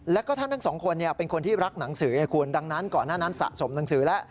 แล้วก็ท่านทั้งสองคนเป็นคนที่รักหนังสือให้คุณดังนั้นก่อนหน้านั้นสะสมหนังสือแล้ว